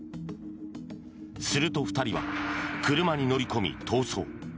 すると２人は車に乗り込み逃走。